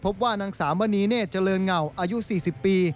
พบว่านางสาวมณีเนธเจริญเหงาอายุ๔๐ปี